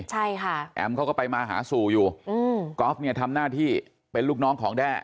ใช่ค่ะแอมเขาก็ไปมาหาสู่อยู่อืมกอล์ฟเนี่ยทำหน้าที่เป็นลูกน้องของแด้